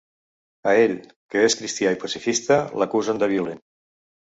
A ell, que és cristià i pacifista, l’acusen de violent.